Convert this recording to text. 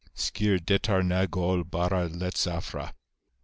(Scir detarnegol bara letzafra.)